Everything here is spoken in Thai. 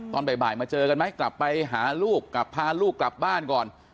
ตอนบ่ายมาเจอกันไหมกลับไปหาลูกกลับพาลูกกลับบ้านก่อน